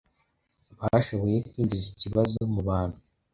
bashoboye kwinjiza ikibazo mu bantu